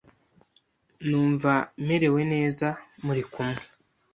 Numva merewe neza muri kumwe.